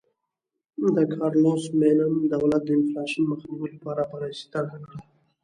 د کارلوس مینم دولت د انفلاسیون مخنیوي لپاره پالیسي طرحه کړه.